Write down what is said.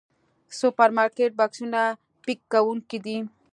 سوپرمارکېټ بکسونو پيک کوونکي دي.